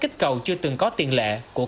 kích cầu chưa từng có tiền lệ của